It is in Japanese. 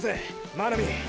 真波！！